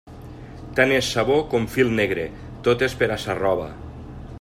Tant és sabó com fil negre, tot és per a sa roba.